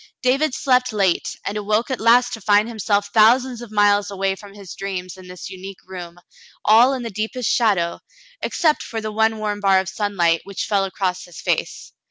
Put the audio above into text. David slept late, and awoke at last to find himself thousands of miles away from his dreams in this unique room, all in the deep est shadow, except for the one warm bar of sunlight which fell across his face.